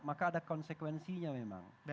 maka ada konsekuensinya memang